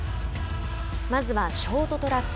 まずは、ショートトラック。